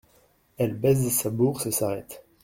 Elle baise sa bourse et s’arrête.